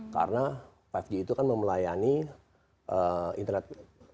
karena lima g itu kan memelayani internet